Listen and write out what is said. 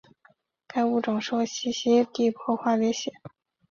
该物种受栖息地破坏威胁。